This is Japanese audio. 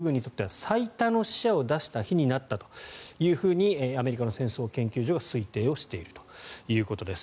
これはウクライナ侵攻後ロシア空軍にとっては最多の死者を出した日になったというふうにアメリカの戦争研究所は推定をしているということです。